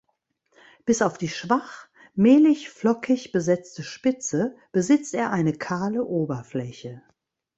Bis auf die schwach mehlig-flockig besetzte Spitze besitzt er eine kahle Oberfläche.